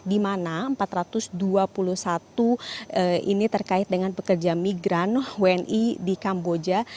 di mana empat ratus dua puluh satu ini terkait dengan pekerja migran wni di kamboja